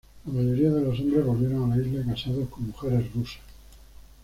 La mayoría de los hombres volvieron a la isla casados con mujeres rusas.